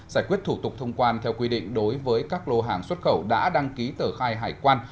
giải quyết thủ tục thông quan theo quy định đối với các lô hàng xuất khẩu đã đăng ký tờ khai hải quan